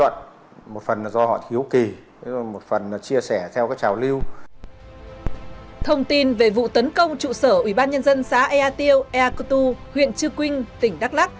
thông tin về vụ tấn công trụ sở ủy ban nhân dân xã ea tiêu ea cơ tu huyện chư quynh tỉnh đắk lắk